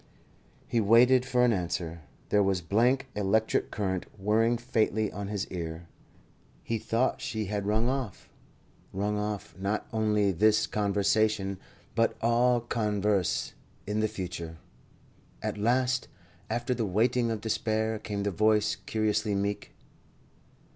He waited for an answer. There was blank electric current whirring faintly on his ear. He thought she had rung off rung off not only this conversation, but all converse in the future. At last, after the waiting of despair, came the voice, curiously meek.